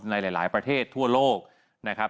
ในหลายประเทศทั่วโลกนะครับ